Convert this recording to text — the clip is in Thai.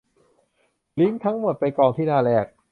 ลิงก์ทั้งหมดไปกองที่หน้าแรก